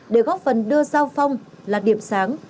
để góp phần đưa giao phong là điểm sáng